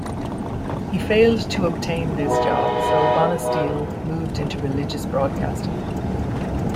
He failed to obtain this job, so Bonisteel moved into religious broadcasting.